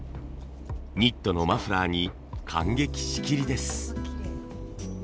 ニットのマフラーに感激しきりです。